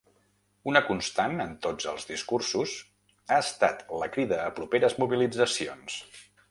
Una constant en tots els discursos ha estat la crida a properes mobilitzacions.